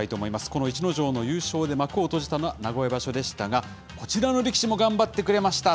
この逸ノ城の優勝で幕を閉じた名古屋場所でしたが、こちらの力士も頑張ってくれました。